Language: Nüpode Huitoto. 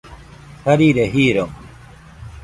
Jarire jiro.